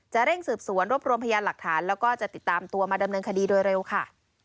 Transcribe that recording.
เร่งสืบสวนรวบรวมพยานหลักฐานแล้วก็จะติดตามตัวมาดำเนินคดีโดยเร็วค่ะ